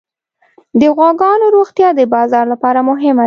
د غواګانو روغتیا د بازار لپاره مهمه ده.